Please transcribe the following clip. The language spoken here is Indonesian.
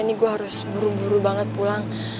ini gue harus buru buru banget pulang